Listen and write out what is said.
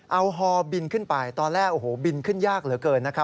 เอาฮอบินขึ้นไปตอนแรกโอ้โหบินขึ้นยากเหลือเกินนะครับ